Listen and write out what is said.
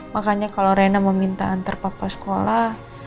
makanya kalau reyna meminta antar papa sekolah